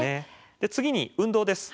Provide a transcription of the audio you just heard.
次に運動です。